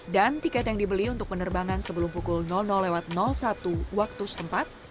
dan tiket yang dibeli untuk penerbangan sebelum pukul satu waktu setempat